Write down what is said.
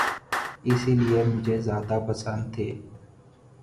اسی لیے مجھے زیادہ پسند تھے۔